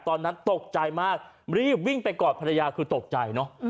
ตอนนั้นตกใจมากรีบวิ่งไปกอดภรรยาคือตกใจเนอะ